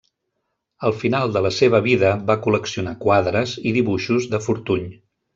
Al final de la seva vida va col·leccionar quadres i dibuixos de Fortuny.